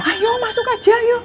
ayo masuk aja yuk